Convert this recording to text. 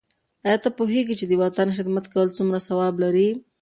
آیا ته پوهېږې چې د وطن خدمت کول څومره ثواب لري؟